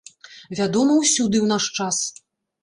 Вядома ўсюды ў наш час.